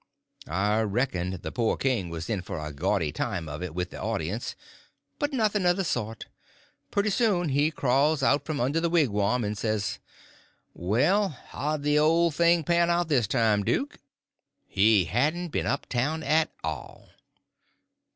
I reckoned the poor king was in for a gaudy time of it with the audience, but nothing of the sort; pretty soon he crawls out from under the wigwam, and says: "Well, how'd the old thing pan out this time, duke?" He hadn't been up town at all.